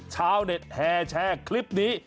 ชาวเน็ตแห่แชร์คลิปนี้